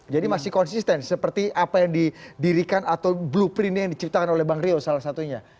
jadi masih konsisten seperti apa yang didirikan atau blueprintnya yang diciptakan oleh bang rio salah satunya